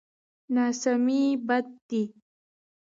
ناسمي بد دی.